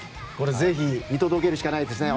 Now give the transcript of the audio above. ぜひ見届けるしかないですね。